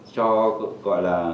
cho gọi là